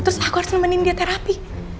terus aku harus nemenin dia terapi